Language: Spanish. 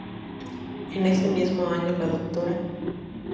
En ese mismo año la Dra.